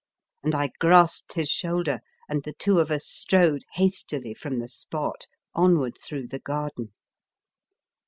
and I grasped his shoulder and the two of us strode hastily from the spot, onward through the garden.